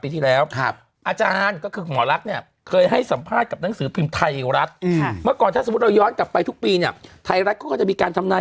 ทุกวันนี้ยังมีอยู่ไหม